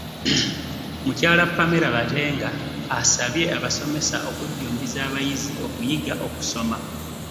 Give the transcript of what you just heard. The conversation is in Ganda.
Muky Pamela Batenga asabye abasomesa okujjumbiza abayizi okuyiga okusoma